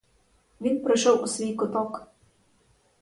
Він пройшов у свій куток.